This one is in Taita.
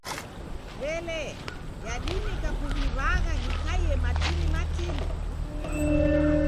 W'elee, yadimika kughiw'agha ghikaie matini matini?